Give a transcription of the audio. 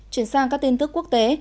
chuyển sang các tin tức quốc tế